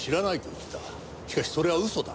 しかしそれは嘘だ。